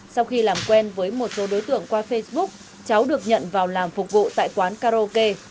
sau khi làm quen với một số đối tượng qua facebook cháu được nhận vào làm phục vụ tại quán karaoke